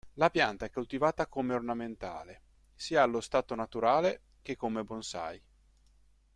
La pianta è coltivata come ornamentale, sia allo stato naturale che come bonsai.